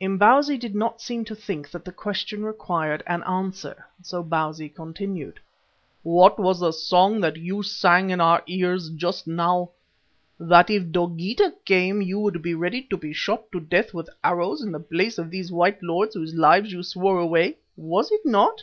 Imbozwi did not seem to think that the question required an answer, so Bausi continued: "What was the song that you sang in our ears just now that if Dogeetah came you would be ready to be shot to death with arrows in the place of these white lords whose lives you swore away, was it not?"